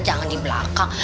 jangan di belakang